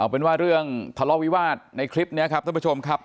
เป็นว่าเรื่องทะเลาะวิวาสในคลิปนี้ครับท่านผู้ชมครับ